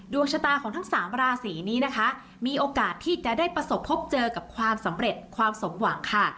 ดวงชะตาของทั้งสามราศีนี้นะคะมีโอกาสที่จะได้ประสบพบเจอกับความสำเร็จความสมหวังค่ะ